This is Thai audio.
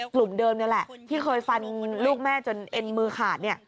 กลุ่มเดิมนี่แหละที่เคยฟันลูกแม่จนเอ็นมือขาดเนี่ย